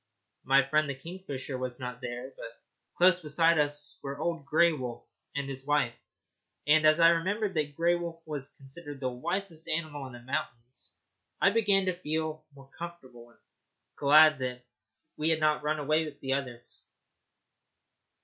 My friend the kingfisher was not there, but close beside us were old Grey Wolf and his wife, and, as I remembered that Grey Wolf was considered the wisest animal in the mountains, I began to feel more comfortable, and was glad that we had not run away with the others.